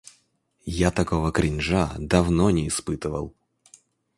Я такого кринжа давно не испытывал.